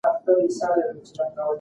دا کلمه د خلکو له خوا ويل کېږي.